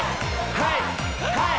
はい！